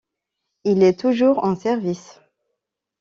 Il est toujours en service.